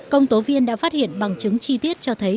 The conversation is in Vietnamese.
công tố viên đã phát hiện bằng chứng chi tiết cho thấy